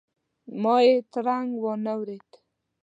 ما یې ترنګ وانه ورېد.